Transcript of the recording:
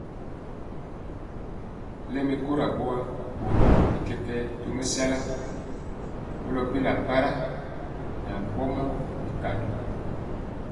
Lɛmi kora boa, borom bi kɛkɛɛ tomesala kolo bela para nan bɔnɛɛ bikandɔ.